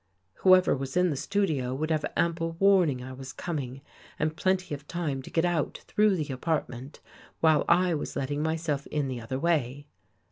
Whoever was in the studio would have ample warning I was coming and plenty of time to get out through the apartment while I was letting myself in the other way.